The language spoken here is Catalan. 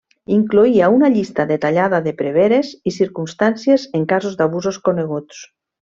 Incloïa una llista detallada de preveres i circumstàncies en casos d'abusos coneguts.